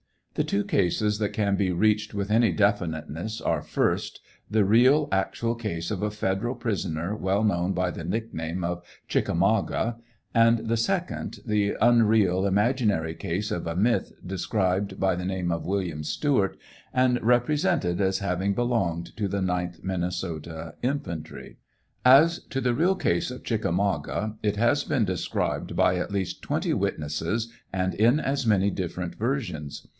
The two cases that can be reached with any definiteness are, first, the real actual case of a federal prisoner well known by the nickname of " Chickamauga;" and the second, the unreal, imaginary case of a myth described by the name of William Stewart, and repre sented as having belonged to the 9th Minnesota infantry. As to the real case of •' Chickamauga," it has been described by at least twenty witnesses, and in as many diffwent versions.